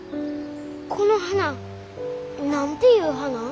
この花何ていう花？